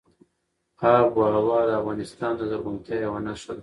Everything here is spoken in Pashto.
آب وهوا د افغانستان د زرغونتیا یوه نښه ده.